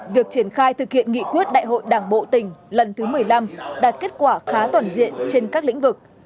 việc triển khai thực hiện nghị quyết đại hội đảng bộ tỉnh lần thứ một mươi năm đạt kết quả khá toàn diện trên các lĩnh vực